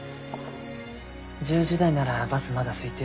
１０時台ならバスまだすいてるし。